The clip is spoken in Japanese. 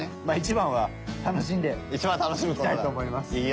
まあ一番は楽しんでいきたいと思います。